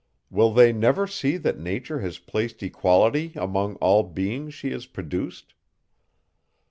Will they never see that nature has placed equality among all beings she has produced?